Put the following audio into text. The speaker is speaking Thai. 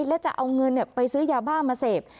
แล้วจะเอาเงินไปซื้อยาบ้ามาเสพ